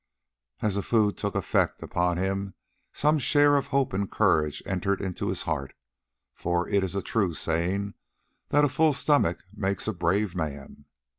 As the food took effect upon him some share of hope and courage entered into his heart, for it is a true saying that a full stomach makes a brave man.